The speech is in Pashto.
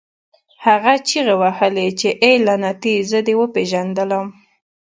هغه چیغې وهلې چې اې لعنتي زه دې وپېژندلم